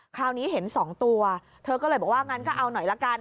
คราวนี้เห็นสองตัวเธอก็เลยบอกว่างั้นก็เอาหน่อยละกัน